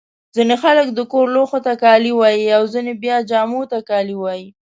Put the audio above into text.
ځيني خلک د کور لوښو ته کالي وايي. او ځيني بیا جامو ته کالي.